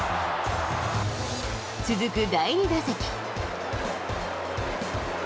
続く第２打席。